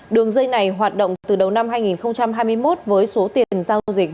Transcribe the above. đường dây này hoạt động từ đầu năm hai nghìn hai mươi một với số tiền giao dịch